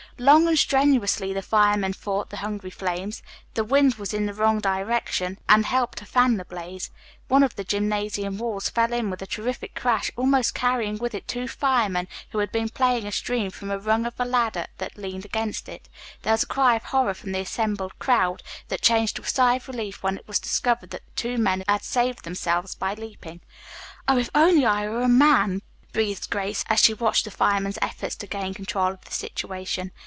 Long and strenuously the firemen fought the hungry flames. The wind was in the wrong direction, and helped to fan the blaze. One of the gymnasium walls fell in with a terrific crash, almost carrying with it two firemen who had been playing a stream from the rung of a ladder that leaned against it. There was a cry of horror from the assembled crowd that changed to a sigh of relief when it was discovered that the two men had saved themselves by leaping. "Oh, if only I were a man," breathed Grace, as she watched the firemen's efforts to gain control of the situation.